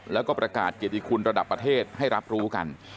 แล้วก็ประกาศเกียรติคุณระดับประเทศให้รับรู้กัน